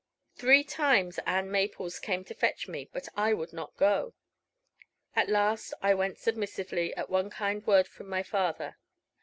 Three times Ann Maples came to fetch me, but I would not go. At last I went submissively at one kind word from my father.